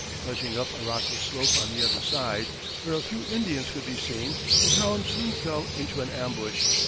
Rushing up a rocky slope on the other side, where a few Indians could be seen, the column soon fell into an ambush.